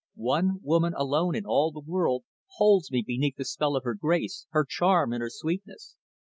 One woman alone in all the world holds me beneath the spell of her grace, her charm and her sweetness.